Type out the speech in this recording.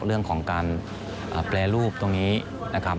เรื่องของการแปรรูปตรงนี้นะครับ